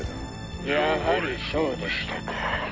やはりそうでしたか。